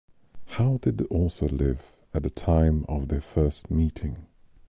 How did the author live at the time of their first meeting?